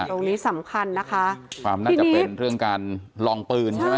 ตรงนี้สำคัญนะคะความน่าจะเป็นเรื่องการลองปืนใช่ไหม